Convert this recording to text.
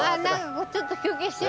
ちょっと休憩しよう。